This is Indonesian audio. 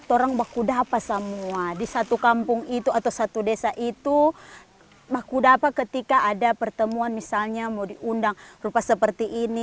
orang baku dapa semua di satu kampung itu atau satu desa itu baku dapa ketika ada pertemuan misalnya mau diundang rupa seperti ini